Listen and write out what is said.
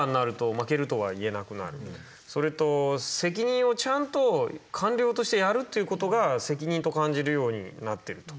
あとそれと責任をちゃんと官僚としてやるっていうことが責任と感じるようになってると。